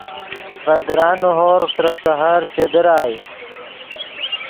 ڤے درانے ہورغ ترے سحر چے درائے